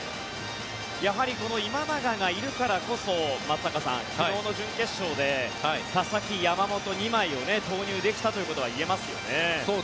やはり、今永がいるからこそ松坂さん、昨日の準決勝で佐々木、山本２枚を投入できたということがいえますよね。